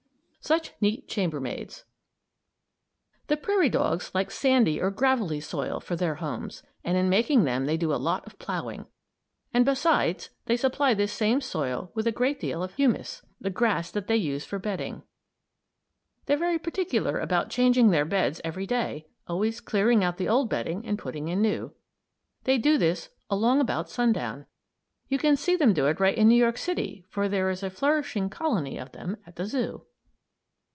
SUCH NEAT CHAMBERMAIDS! The prairie dogs like sandy or gravelly soil for their homes, and in making them they do a lot of ploughing. And besides they supply this same soil with a great deal of humus the grass that they use for bedding. They're very particular about changing their beds every day; always clearing out the old bedding and putting in new. They do this along about sundown. You can see them do it right in New York City, for there is a flourishing colony of them at the zoo.